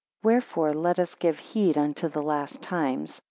10 Wherefore let us give heed unto the last times.